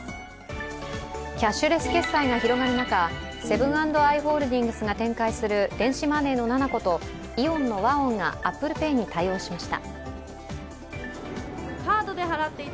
キャッシュレス決済が広がる中セブン＆アイ・ホールディングスが展開する電子マネーのｎａｎａｃｏとイオンのＷＡＯＮがＡｐｐｌｅＰａｙに対応しました。